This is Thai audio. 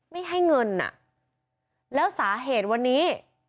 ไม่ให้เงินอ่ะแล้วสาเหตุวันนี้